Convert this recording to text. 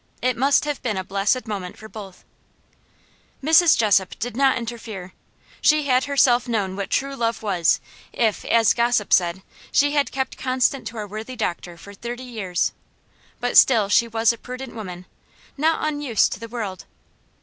It must have been a blessed moment for both. Mrs. Jessop did not interfere. She had herself known what true love was, if, as gossips said, she had kept constant to our worthy doctor for thirty years. But still she was a prudent woman, not unused to the world.